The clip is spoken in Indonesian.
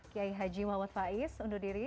kiai haji muhammad faiz undur diri